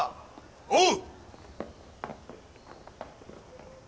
おう！